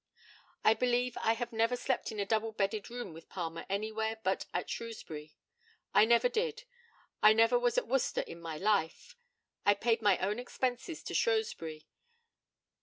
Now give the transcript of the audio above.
I believe I have never slept in a double bedded room with Palmer anywhere but at Shrewsbury. I never did. I never was at Worcester in my life. I paid my own expenses to Shrewsbury.